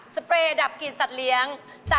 เปรย์ดับกลิ่นสัตว์เลี้ยง